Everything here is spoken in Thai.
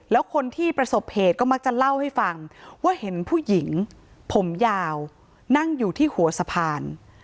แล้วคนที่ประสบเหตุก็มักจะเล่าให้ฟังว่าเห็นผู้หญิงผมยาวนั่งอยู่ที่หัวสะพาน